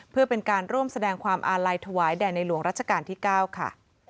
เพื่อเป็นการร่วมแสดงความอาลัยถวายแด่ในหลวงรัชกาลที่๙ค่ะ